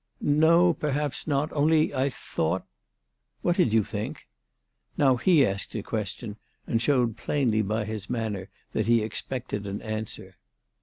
" No ; perhaps not. Only I thought "" What did you think ?" Now he asked a question and showed plaiijly by his manner that he expected an answer.